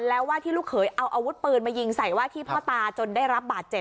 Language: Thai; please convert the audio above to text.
แล้วว่าที่ลูกเขยเอาอาวุธปืนมายิงใส่ว่าที่พ่อตาจนได้รับบาดเจ็บ